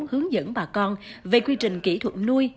hướng dẫn bà con về quy trình kỹ thuật nuôi